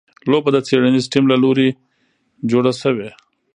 لوبه د څېړنیز ټیم له لوري جوړه شوې.